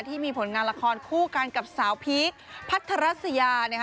ที่มีผลงานละครคู่กันกับสาวพีคพัทรัสยา